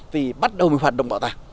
thì bắt đầu mới hoạt động bảo tàng